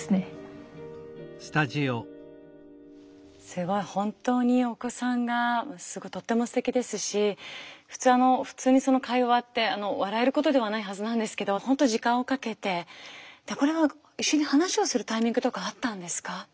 すごい本当にお子さんがとってもすてきですし普通にその会話って笑えることではないはずなんですけど本当時間をかけてこれは一緒に話をするタイミングとかあったんですか？